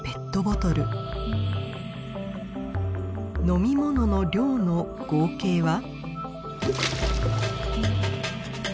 飲み物の量の合計は？